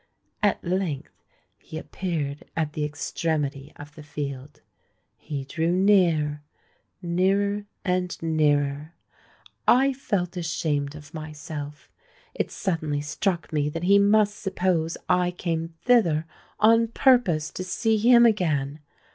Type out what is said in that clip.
At length he appeared at the extremity of the field—he drew near—nearer and nearer. I felt ashamed of myself: it suddenly struck me that he must suppose I came thither on purpose to see him again.